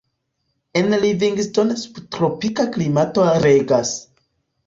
En Livingstone subtropika klimato regas.